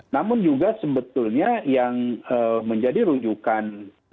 namun juga sebetulnya yang menjadi rujukan